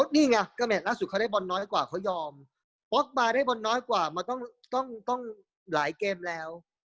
นี่ไงก็แมทล่าสุดเขาได้บอลน้อยกว่าเขายอมบล็อกบาร์ได้บอลน้อยกว่ามันต้องหลายเกมแล้ว